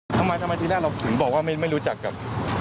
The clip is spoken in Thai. ทำไมทำไมทีแรกเราถึงบอกว่าไม่รู้จักกับ